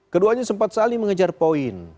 keduanya sempat saling mengejar poin